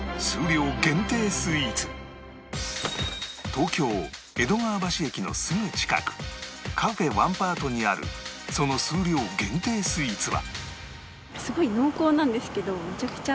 東京江戸川橋駅のすぐ近く Ｃａｆｅ１Ｐａｒｔ にあるその数量限定スイーツは